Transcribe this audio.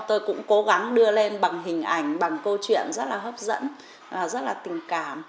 tôi cũng cố gắng đưa lên bằng hình ảnh bằng câu chuyện rất là hấp dẫn rất là tình cảm